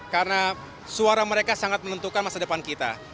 karena suara mereka sangat menentukan masa depan kita